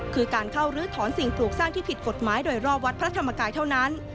คือการเข้าลื้อถอนสิ่งปลูกสร้างที่ผิดกฎหมายโดยรอบวัดพระธรรมกายเท่านั้น